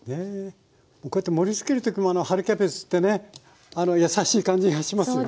こうやって盛りつける時も春キャベツってね優しい感じがしますよね。